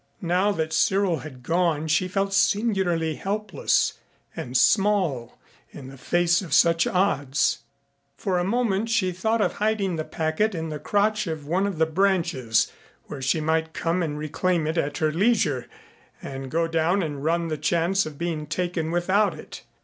Now that Cyril had gone she felt singularly helpless and small in the face of such odds. For a moment she thought of hiding the packet in the crotch of one of the branches where she might come and reclaim it at her leisure and go down and run the chance of being taken without it.